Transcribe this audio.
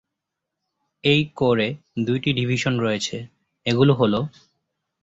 এই কোরে দুইটি ডিভিশন রয়েছে, এগুলো হলোঃ